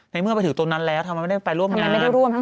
ในเมื่อไปถึงตนนั้นแล้วทำไมไม่ได้ไปร่วมเงี้ย